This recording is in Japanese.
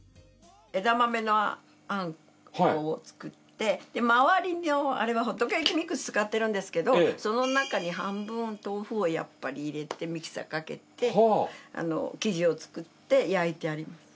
枝豆のあんこを作って周りのあれはホットケーキミックス使ってるんですけどその中に半分豆腐をやっぱり入れてミキサーかけて生地を作って焼いてあります。